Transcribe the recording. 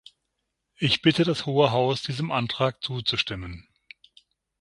Ich bitte das Hohe Haus, diesem Antrag zuzustimmen.